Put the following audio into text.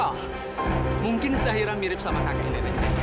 ah mungkin zaira mirip sama kakak neneknya